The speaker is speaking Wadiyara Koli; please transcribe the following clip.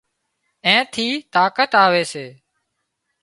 اين ٿي طاقت آوي سي